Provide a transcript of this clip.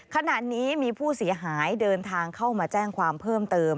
ขณะนี้มีผู้เสียหายเดินทางเข้ามาแจ้งความเพิ่มเติม